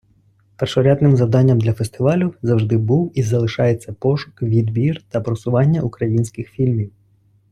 Першорядним завданням для фестивалю зажди був і залишається пошук, відбір та просування українських фільмів.